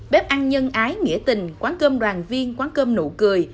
bếp ăn nhân ái nghĩa tình quán cơm đoàn viên quán cơm nụ cười